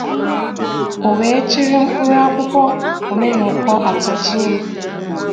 o wee chịrị mkpụrụ akwụkwọ Omenụkọ atọ chịnye m